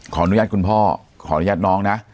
ขออนุญาตคุณพ่อขออนุญาตน้องนะ